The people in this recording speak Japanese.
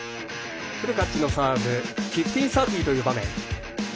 フルカッチのサーブ１５−３０の場面。